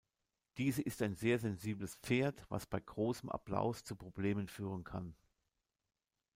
Diese ist ein sehr sensibles Pferd, was bei großem Applaus zu Problemen führen kann.